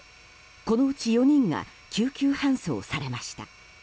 このうち４人が救急搬送されました。